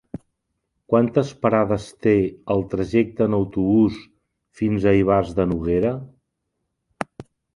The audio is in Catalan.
Quantes parades té el trajecte en autobús fins a Ivars de Noguera?